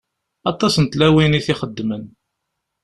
Aṭas n tlawin i t-ixeddmen.